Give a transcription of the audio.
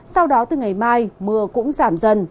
sau đó từ ngày mai mưa cũng giảm dần